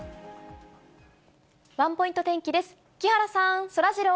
ワンポイント天気です。